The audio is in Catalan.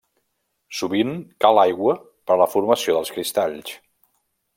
Sovint cal aigua per a la formació dels cristalls.